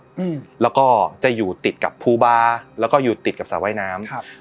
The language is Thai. อืมแล้วก็จะอยู่ติดกับภูบาแล้วก็อยู่ติดกับสระว่ายน้ำครับ